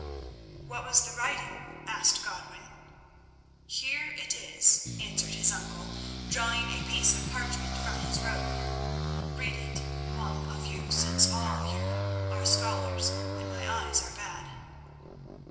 "What was the writing?" asked Godwin. "Here it is," answered his uncle, drawing a piece of parchment from his robe. "Read it, one of you, since all of you are scholars and my eyes are bad."